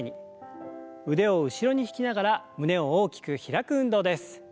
腕を後ろに引きながら胸を大きく開く運動です。